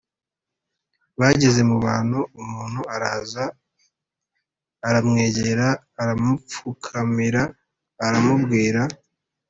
Bageze mu bantu, umuntu araza aramwegera, aramupfukamira aramubwira